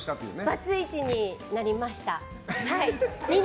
バツイチになりました。